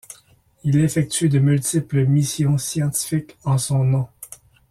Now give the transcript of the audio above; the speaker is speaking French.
Il effectue de multiples missions scientifiques en son nom.